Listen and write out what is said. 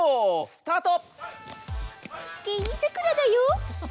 スタート！